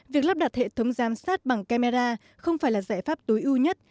việc lắp đặt hệ thống giám sát bằng camera không phải là giải pháp tối ưu nhất